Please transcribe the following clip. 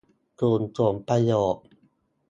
กลุ่มผลประโยชน์